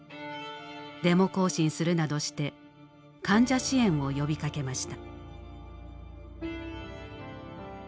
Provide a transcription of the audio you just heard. デモ行進するなどして患者支援を呼びかけました。